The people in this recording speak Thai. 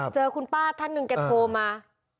เจอคุณป้าท่านหนึ่งแกโทรมา